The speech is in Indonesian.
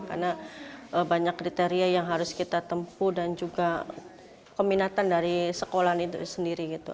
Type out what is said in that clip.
karena banyak kriteria yang harus kita tempuh dan juga keminatan dari sekolah itu sendiri gitu